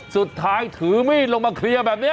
สุดท้ายถือมีดลงมาเคลียร์แบบนี้